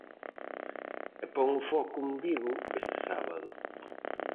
E pon o foco en Vigo este sábado.